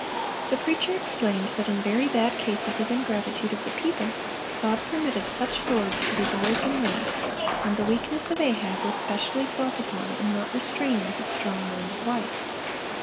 The preacher explained that in very bad cases of ingratitude of the people, God permitted such lords to be 'boys and women,' and the weakness of Ahab was specially dwelt upon in not restraining his strong minded wife.